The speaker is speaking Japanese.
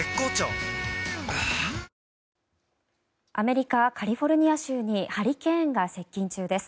はぁアメリカ・カリフォルニア州にハリケーンが接近中です。